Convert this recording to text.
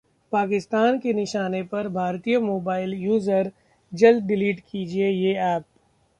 पाकिस्तान के निशाने पर भारतीय मोबाइल यूजर, जल्द डिलीट कीजिए ये ऐप